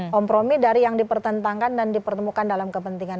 kompromi dari yang dipertentangkan dan dipertemukan dalam kepentingan